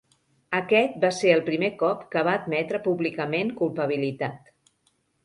Aquest va ser el primer cop que va admetre públicament culpabilitat.